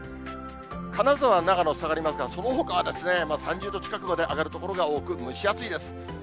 金沢、長野、下がりますが、そのほかは３０度近くまで上がる所が多く、蒸し暑いです。